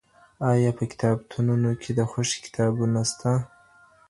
آيا په کتابتونونو کي د خوښي کتابونه سته؟